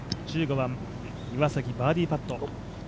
１５番、岩崎バーディーパット。